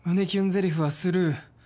ゼリフはスルー